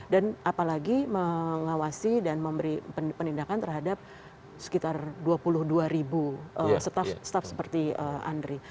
dan apalagi mengawasi dan memberi penindakan terhadap sekitar dua puluh dua staff seperti andri